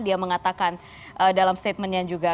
dia mengatakan dalam statementnya juga